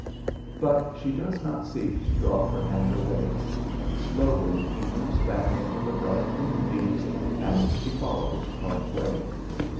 But she does not seek to draw her hand away. Slowly he moves back into the bright moonbeams and she follows part way.